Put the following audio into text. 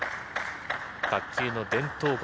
卓球の伝統国